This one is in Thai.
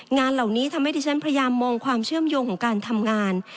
งานเหล่านี้ทำให้ดิฉันพยายามมองความเชื่อมโยงของการทำงาน